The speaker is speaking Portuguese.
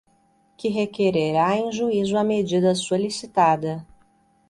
que requererá em juízo a medida solicitada.